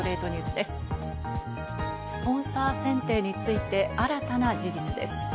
スポンサー選定について新たな事実です。